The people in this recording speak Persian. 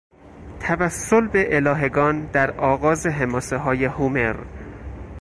توسل به الهگان در آغاز حماسههای هومر